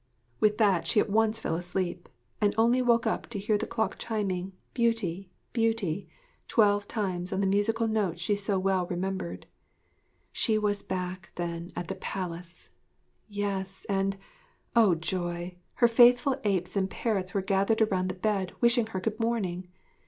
_' With that she at once fell asleep, and only woke up to hear the clock chiming, 'Beauty, Beauty,' twelve times on the musical note she so well remembered. She was back, then, at the palace. Yes, and oh, joy! her faithful apes and parrots were gathered around the bed, wishing her good morning!